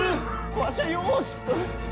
わしはよう知っとる！